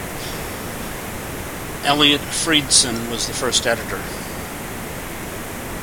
Eliot Freidson was the first editor.